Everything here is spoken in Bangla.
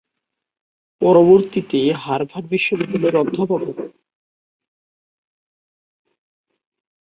পরবর্তীতে হার্ভার্ড বিশ্ববিদ্যালয়ের অধ্যাপক হন।